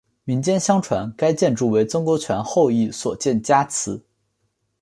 民间相传该建筑为曾国荃后裔所建家祠。